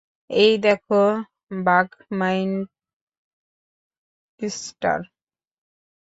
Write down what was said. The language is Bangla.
এই দেখো, বাকমাইনস্টার।